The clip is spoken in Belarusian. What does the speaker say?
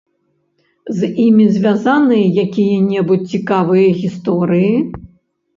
З імі звязаныя якія-небудзь цікавыя гісторыі?